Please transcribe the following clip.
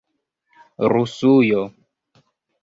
rusujo